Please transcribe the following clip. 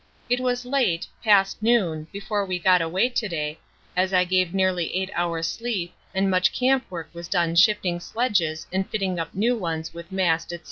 It was late (past noon) before we got away to day, as I gave nearly 8 hours sleep, and much camp work was done shifting sledges and fitting up new one with mast, &c.